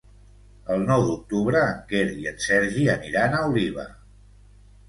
El nou d'octubre en Quer i en Sergi aniran a Oliva.